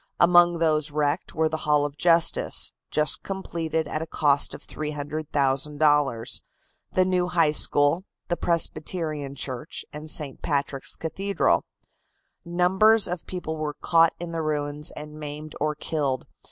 Among those wrecked were the Hall of justice, just completed at a cost of $300,000; the new High School, the Presbyterian Church and St. Patrick's Cathedral. Numbers of people were caught in the ruins and maimed or killed.